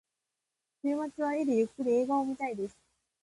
週末は家でゆっくり映画を見たいです。